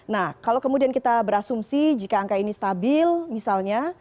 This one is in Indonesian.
nah kalau kemudian kita berasumsi jika angka ini stabil misalnya